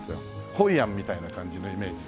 ホイアンみたいな感じのイメージ。